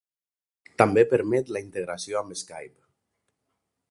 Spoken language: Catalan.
També permet la integració amb Skype.